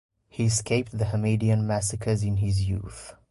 He escaped the Hamidian massacres in his youth.